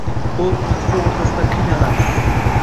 O‘t bilan suv o‘rtasida qiynalaman.